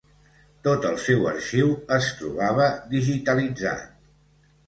Tot el seu arxiu es trobava digitalitzat.